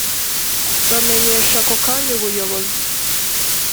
bamenyesha ako kanya ubuyobozi